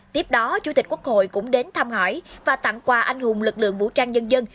tiếp đó chủ tịch quốc hội cũng đến thăm hỏi và tặng quà anh hùng lực lượng vũ trang nhân dân